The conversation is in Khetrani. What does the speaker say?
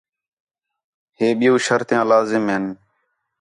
ہے بِیّو شرطیاں لازم ہِن